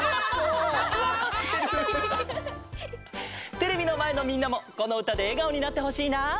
テレビのまえのみんなもこのうたでえがおになってほしいな。